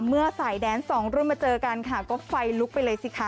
เมื่อสายแดนสองรุ่นมาเจอกันค่ะก็ไฟลุกไปเลยสิคะ